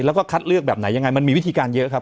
แล้วก็คัดเลือกแบบไหนยังไงมันมีวิธีการเยอะครับ